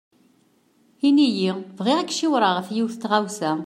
Ini-yi-d bɣiɣ ad ak-ciwreɣ ɣef yiwet n tɣawsa.